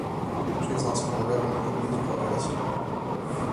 She has also been a revue and musical artist.